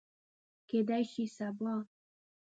کیدای شي سبا